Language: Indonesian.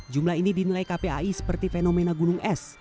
jumlah ini dinilai kpai seperti fenomena gunung es